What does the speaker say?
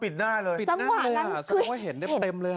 ปิดหน้าเลยสำหรับว่าเห็นเต็มเลย